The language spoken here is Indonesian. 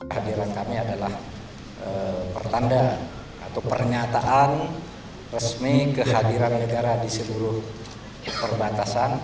hadiran kami adalah pertanda atau pernyataan resmi kehadiran negara di seluruh perbatasan